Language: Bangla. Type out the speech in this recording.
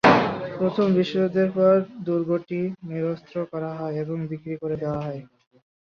প্রথম বিশ্বযুদ্ধের পর দুর্গটি নিরস্ত্র করা হয় এবং বিক্রি করে দেওয়া হয়।